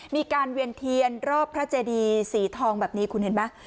เวียนเทียนรอบพระเจดีสีทองแบบนี้คุณเห็นไหม